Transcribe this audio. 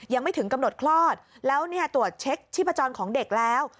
ยังไม่ถึงกำหนดคลอดแล้วเนี่ยตรวจเช็คชีพจรของเด็กแล้ว